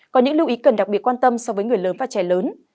có những lưu ý cần đặc biệt quan tâm so với người lớn và trẻ lớn